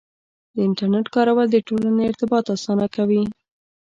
د انټرنیټ کارول د ټولنې ارتباط اسانه کوي.